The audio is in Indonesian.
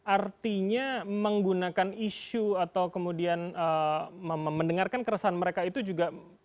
artinya menggunakan isu atau kemudian mendengarkan keresahan mereka itu juga